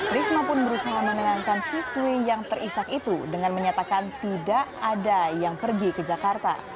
risma pun berusaha menengankan siswi yang terisak itu dengan menyatakan tidak ada yang pergi ke jakarta